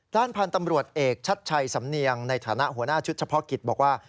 ด้านพันธุ์ตำรวจเอกชัดชัยสำเนียงในฐานะหัวหน้าชุดเฉพาะกิจบอกว่า